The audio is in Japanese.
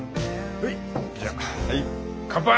はい乾杯！